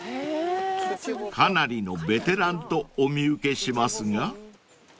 ［かなりのベテランとお見受けしますが］